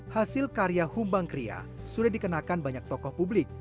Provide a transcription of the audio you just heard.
hasil karya humbang kria sudah dikenakan banyak tokoh publik